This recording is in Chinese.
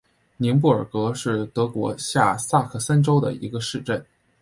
宁布尔格是德国下萨克森州的一个市镇。